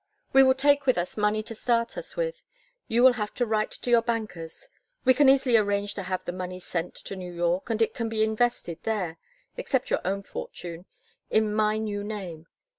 We will take with us money to start us with: you will have to write to your bankers. We can easily arrange to have the money sent to New York, and it can be invested there except your own fortune in my new name.